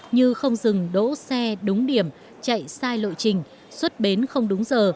như không dừng đỗ xe đúng điểm chạy sai lộ trình xuất bến không đúng giờ